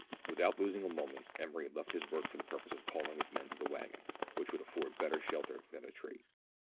Without losing a moment, Emery left his work for the purpose of calling his men to the waggon, which would afford better shelter than a tree.